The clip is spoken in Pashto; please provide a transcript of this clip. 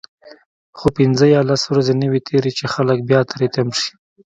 خو پنځه یا لس ورځې نه وي تیرې چې خلک بیا تری تم شي.